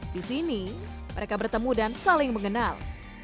di sini mereka bertemu dan saling mengenal